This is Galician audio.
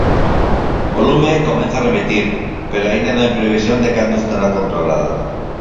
O lume comeza a remitir pero aínda non hai previsión de cando estará controlado.